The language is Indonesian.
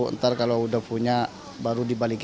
nanti kalau sudah punya baru dibalikkan